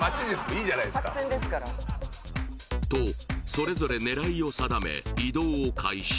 いいじゃないですかとそれぞれ狙いを定め移動を開始